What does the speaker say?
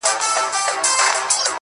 چي د وگړو څه يې ټولي گناه كډه كړې.